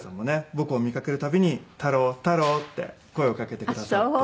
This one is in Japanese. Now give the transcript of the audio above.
僕を見かける度に「太郎太郎」って声をかけてくださって。